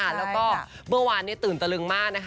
แล้วก็เมื่อวานตื่นตะลึงมากนะคะ